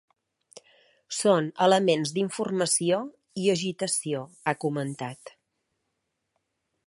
Són elements d’informació i agitació, ha comentat.